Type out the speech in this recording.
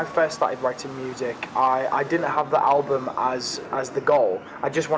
saat saya mulai menulis musik saya tidak memiliki album sebagai tujuan